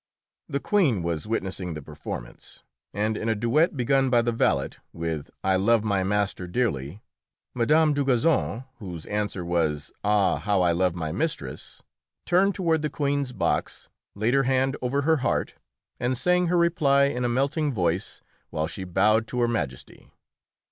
The Queen was witnessing the performance, and in a duet begun by the valet, with "I love my master dearly," Mme. Dugazon, whose answer was "Ah, how I love my mistress!" turned toward the Queen's box, laid her hand over her heart, and sang her reply in a melting voice while she bowed to Her Majesty.